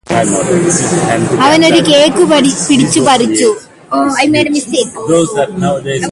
അവനൊരു കേക്ക് പിടിച്ചുപറിച്ചു